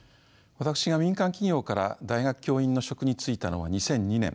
私が民間企業から大学教員の職に就いたのが２００２年。